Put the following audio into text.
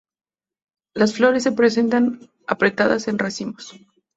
Las flores se presentan apretadas en racimos.